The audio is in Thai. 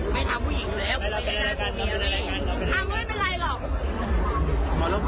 ไม่แล้วพี่เรียกอะไรกัน